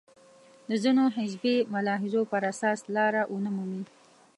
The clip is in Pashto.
د ځینو حزبي ملاحظو پر اساس لاره ونه مومي.